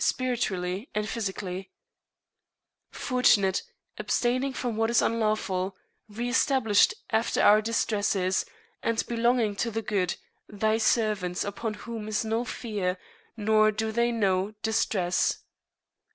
spiritually and physically) fortunate, abstaining from what is unlawful, re established after our Distresses, and belonging to the Good, thy Servants upon whom is no Fear, nor do they know Distress.